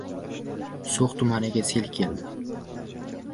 So‘x tumaniga sel keldi